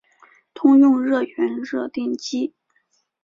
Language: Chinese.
通用热源热电机。